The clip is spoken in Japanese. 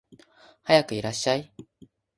はやくいらっしゃい